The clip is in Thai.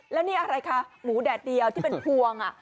แล้วนี่อะไรคะหมูแดดเดียวที่เป็นพวง